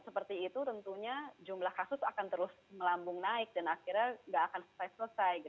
seperti itu tentunya jumlah kasus akan terus melambung naik dan akhirnya nggak akan selesai selesai